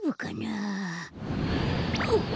あっ！